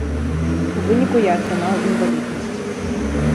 У выніку я атрымаў інваліднасць.